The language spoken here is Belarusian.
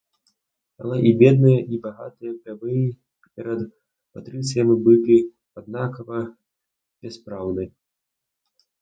Але і бедныя, і багатыя плебеі перад патрыцыямі былі аднолькава бяспраўны.